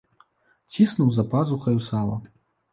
Ціснуў за пазухаю сала.